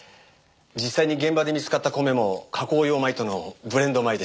実際に現場で見つかった米も加工用米とのブレンド米でした。